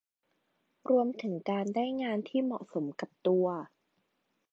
รวมถึงการได้งานที่เหมาะสมกับตัว